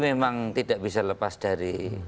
memang tidak bisa lepas dari